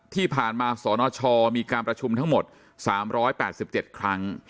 ที่ผ่านมาสนชมีการประชุมทั้งหมด๓๘๗ครั้ง